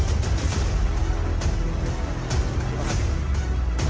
selepas itu kita akan together dengan sebagai kata khas